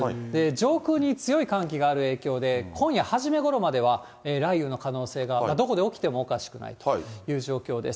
上空に強い寒気がある影響で、今夜初めごろまでは雷雨の可能性が、どこで起きてもおかしくないという状況です。